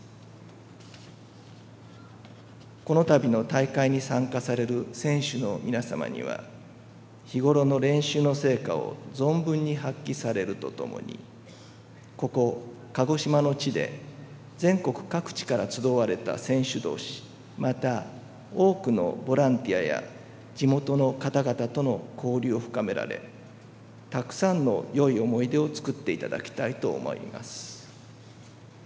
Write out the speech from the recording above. この度の大会に参加される選手の皆様には日頃の練習の成果を存分に発揮されるとともにここ鹿児島の地で全国各地から集われた選手同士また、多くのボランティアや地元の方々との交流を深められたくさんの良い思い出を作っていただきたいと思います。